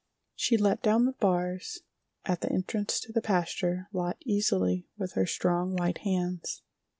She let down the bars at the entrance to the pasture lot easily with her strong, white hands.